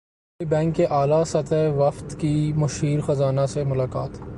عالمی بینک کے اعلی سطحی وفد کی مشیر خزانہ سے ملاقات